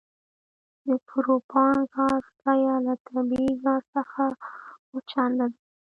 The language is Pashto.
د پروپان ګاز بیه له طبیعي ګاز څخه اوه چنده ده